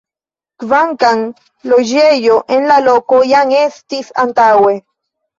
Kvankam loĝejo en la loko jam estis antaŭe.